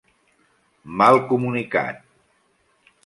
Mal comunicat.